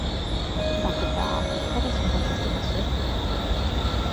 Dacă da, care sunt aceste măsuri?